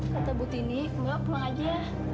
kata butini mbak pulang aja ya